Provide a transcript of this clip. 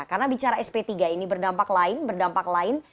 karena bicara sp tiga ini berdampak lain berdampak lain